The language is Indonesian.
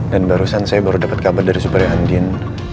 dan barusan saya baru dapet kabar dari supaya andin